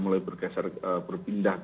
mulai bergeser berpindah